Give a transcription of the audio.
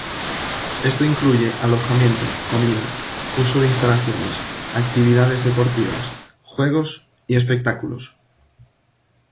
Esto incluye alojamiento, comida, uso de instalaciones, actividades deportivas, juegos y espectáculos.